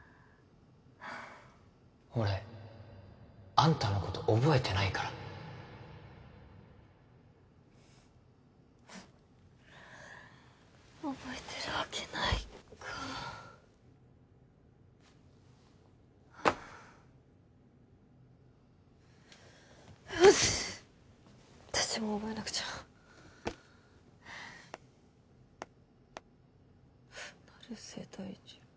俺あんたのこと覚えてないから覚えてるわけないかよしっ私も覚えなくちゃ成瀬大二郎